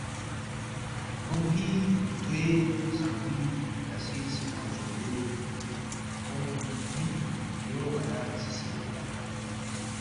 رگومفوئی، توئے، زنگبوئی، تسیر چی نہ غزوربے اونگمن یو نایا ہرژیسے تنگ کھن۔